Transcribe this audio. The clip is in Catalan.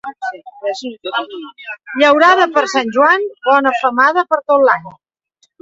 Llaurada per Sant Joan, bona femada per tot l'any.